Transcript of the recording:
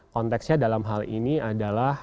konteksnya dalam hal ini adalah